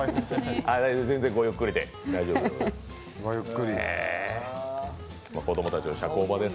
全然ごゆっくりで大丈夫です。